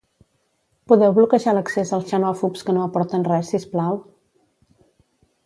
Podeu bloquejar l'accés als xenòfobs que no aporten res sisplau?